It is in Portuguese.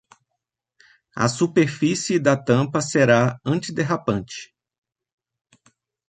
A superfície da tampa será antiderrapante.